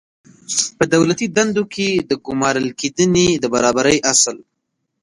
په دولتي دندو کې د ګمارل کېدنې د برابرۍ اصل